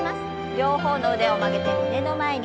両方の腕を曲げて胸の前に。